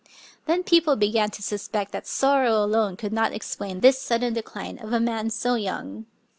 Then people began to suspect that sorrow alone could not explain this sudden decline of a man so young.